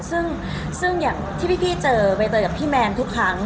ซึ่งอย่างที่พี่เจอใบเตยกับพี่แมนทุกครั้ง